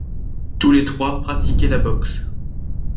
Tous les trois pratiquaient la boxe.